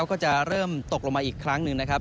ก็จะเริ่มตกลงมาอีกครั้งหนึ่งนะครับ